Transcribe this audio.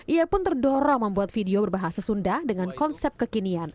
ia pun terdorong membuat video berbahasa sunda dengan konsep kekinian